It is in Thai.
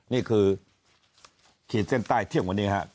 นี่คือข่าวขีดเส้นใต้เที่ยวเหมือนกันอย่างนี้ครับ